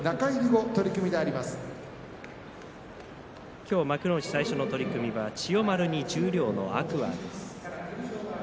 今日、幕内最初の取組は千代丸に十両の天空海です。